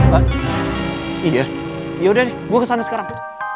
bang iya yaudah deh gue kesana sekarang